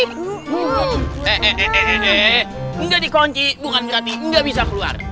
heheheh ga di kunci bukan berarti ga bisa keluar